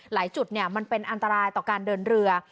หลายจุดมันเป็นอันตรายต่อการเดินเรือ